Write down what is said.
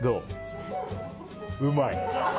うまい？